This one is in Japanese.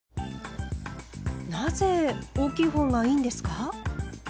なぜ大きい方がいいんですか？